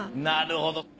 なるほど。